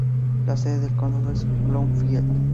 La sede del condado es Bloomfield.